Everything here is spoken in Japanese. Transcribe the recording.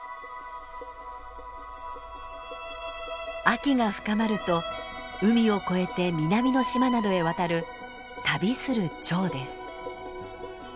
秋が深まると海を越えて南の島などへ渡る「旅するチョウ」です。